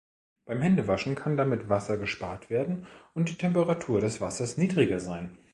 Beim Händewaschen kann damit Wasser gespart werden und die Temperatur des Wassers niedriger sein.